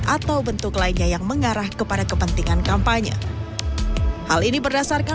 atau bentuk lainnya yang mengarah kepada kepentingan kampanye